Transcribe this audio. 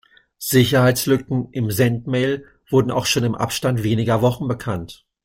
Sicherheitslücken in Sendmail wurden auch schon im Abstand weniger Wochen bekannt.